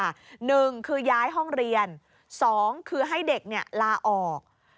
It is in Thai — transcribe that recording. หนึ่งคือย้ายห้องเรียนสองคือให้เด็กลาออก